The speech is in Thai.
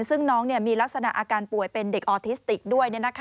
ซึ่งน้องมีลักษณะอาการป่วยเป็นเด็กออทิสติกด้วย